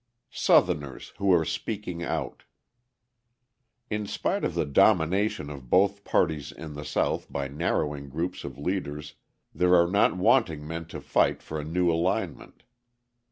Southerners Who Are Speaking Out In spite of the domination of both parties in the South by narrowing groups of leaders there are not wanting men to fight for a new alignment.